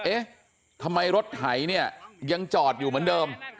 เอ๊ะทำไมรถไถเนี่ยยังจอดอยู่เหมือนเดิม